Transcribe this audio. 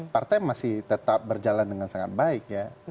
partai masih tetap berjalan dengan sangat baik ya